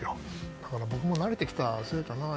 だから僕も慣れてきたせいかな？